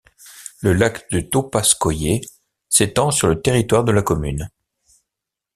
Le lac de Topaskoïé s’étend sur le territoire de la commune.